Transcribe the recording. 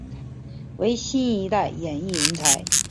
为新一代演艺人才。